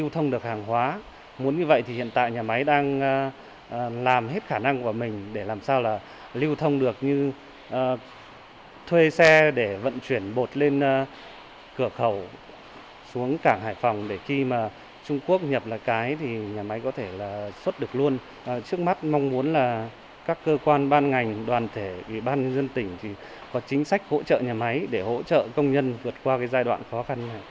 trước mắt mong muốn là các cơ quan ban ngành đoàn thể bàn dân tỉnh có chính sách hỗ trợ nhà máy để hỗ trợ công nhân vượt qua giai đoạn khó khăn